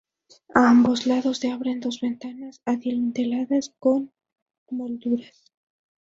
A ambos lados, se abren dos ventanas adinteladas con molduras.